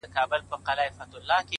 څوک ده چي راګوري دا و چاته مخامخ يمه’